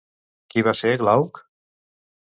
Qui va ser Glauc?